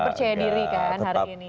percaya diri kan hari ini